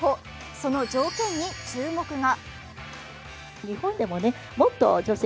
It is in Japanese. その条件に注目が。